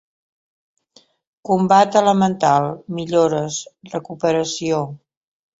Combat Elemental, Millores, Recuperació.